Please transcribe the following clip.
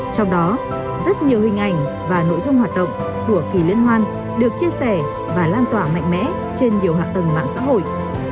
trong đó rất nhiều hình ảnh và nội dung hoạt động của kỳ liên hoan được chia sẻ và lan tỏa mạnh mẽ trên nhiều hạ tầng mạng xã hội